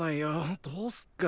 どうすっかな。